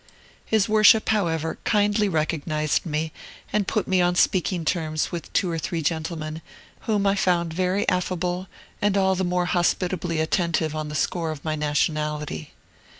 His Worship, however, kindly recognized me, and put me on speaking terms with two or three gentlemen, whom I found very affable, and all the more hospitably attentive on the score of my nationality.